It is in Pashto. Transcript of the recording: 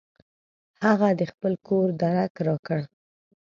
هغه د خپل کور درک راکړ.